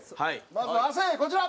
まず亜生こちら。